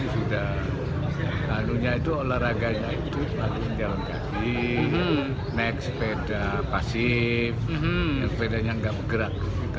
assalamualaikum warahmatullahi wabarakatuh